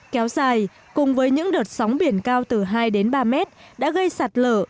kéo dài cùng với những đợt sóng biển cao từ hai đến ba mét đã gây sạt lở